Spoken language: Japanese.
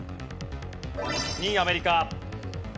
２位アメリカ。